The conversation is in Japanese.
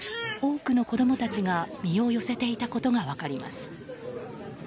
多くの子供たちが身を寄せていたことが分かります。